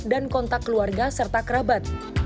dan kontak keluarga serta kerabat